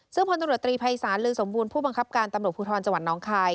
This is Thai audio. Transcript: ซึ่งพลตำรวจตรีภัยศาลลือสมบูรณ์ผู้บังคับการตำรวจภูทรจังหวัดน้องคาย